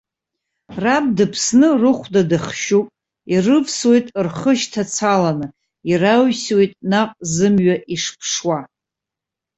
Раб дыԥсны рыхәда дахшьуп, ирывсуеит рхы шьҭацаланы, ираҩсуеит наҟ зымҩа ишԥшуа.